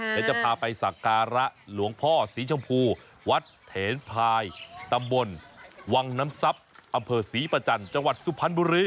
เดี๋ยวจะพาไปสักการะหลวงพ่อสีชมพูวัดเถนพายตำบลวังน้ำทรัพย์อำเภอศรีประจันทร์จังหวัดสุพรรณบุรี